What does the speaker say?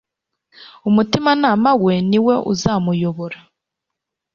Umutimanama we niwo uzamuyobora